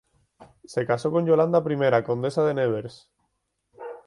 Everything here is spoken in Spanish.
Se casó con Yolanda I, Condesa de Nevers.